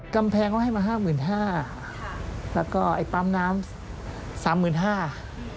กำแพงเขาให้มา๕๕๐๐๐บาทแล้วก็ไอ้ปั๊มน้ำ๓๕๐๐๐บาท